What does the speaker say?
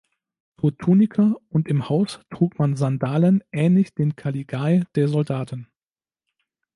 Zur Tunika und im Haus trug man Sandalen ähnlich den "Caligae" der Soldaten.